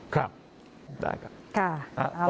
ครับได้ครับ